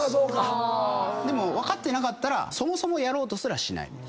でも分かってなかったらそもそもやろうとすらしない。